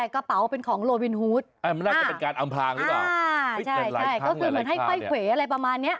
ก็คือเหมือนให้ไข่เขวอะไรประมาณเนี้ย